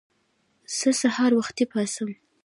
زه د سهار وختي پاڅم.